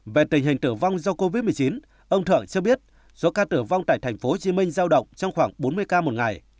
về tình hình tử vong do covid một mươi chín ông thượng cho biết số ca tử vong tại tp hcm giao động trong khoảng bốn mươi ca một ngày